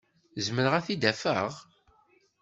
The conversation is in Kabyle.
Zemreɣ ad t-id-afeɣ?